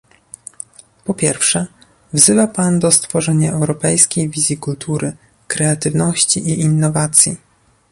Po pierwsze, wzywa pan do stworzenia europejskiej wizji kultury, kreatywności i innowacji